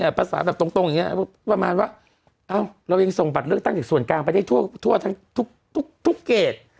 ภาษาแบบตรงอย่างนี้ประมาณว่าเอ้าเรายังส่งบัตรเลือกตั้งจากส่วนกลางไปได้ทั่วทั้งทุกเกรด